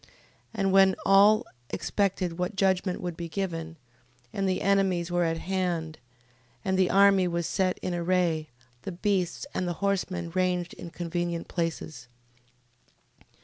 15:20. And now when all expected what judgment would be given, and the enemies were at hand, and the army was set in array, the beasts and the horsemen ranged in convenient places, 15:21.